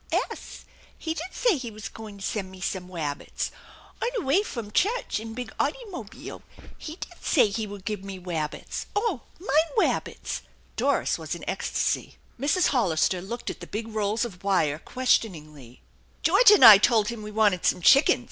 " 'Es. He did say he was goin' to sen' me some wabbits. On 'e way fum chutch in big oughtymobeel. He did say he would give me wabbits. Oh, mine wabbits !" Doris was in ecstasy. ;Mrs. Hollister looked at the big rolls of wire questioningly; " George and I told him we wanted some chickens.